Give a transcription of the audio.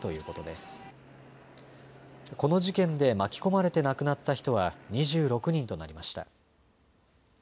この事件で巻き込まれて亡くなった人は２６人となりました。